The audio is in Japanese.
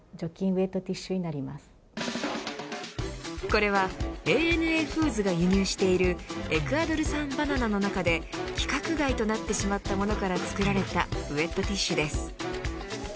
これはＡＮＡフーズが輸入しているエクアドル産バナナの中で規格外となってしまったものから作られたウエットティッシュです。